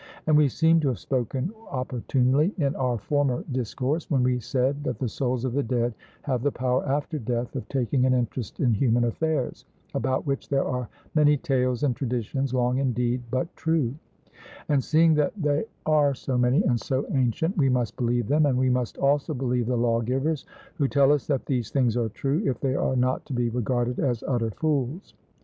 And we seem to have spoken opportunely in our former discourse, when we said that the souls of the dead have the power after death of taking an interest in human affairs, about which there are many tales and traditions, long indeed, but true; and seeing that they are so many and so ancient, we must believe them, and we must also believe the lawgivers, who tell us that these things are true, if they are not to be regarded as utter fools.